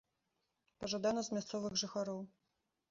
Пажадана з мясцовых жыхароў.